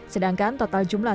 sedangkan total jumlah